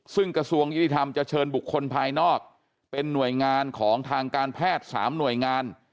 ซึ่งกระทรวงยุติธรรมจะเชิญบุคคลภายนอกเป็นหน่วยงานของทางการแพทย์๓หน่วยงาน